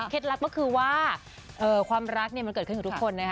เคล็ดลักษณ์ก็คือว่าความรักมันเกิดขึ้นของทุกคนนะฮะ